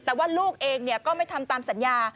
แต่ว่าลูกเองก็ไม่ทำตามสัญญา